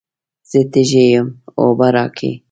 زه تږی یم، اوبه راکئ.